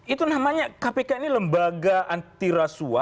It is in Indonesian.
itu namanya kpk ini lembaga antiraswa